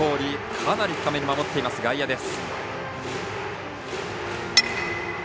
かなり深めに守っています外野です。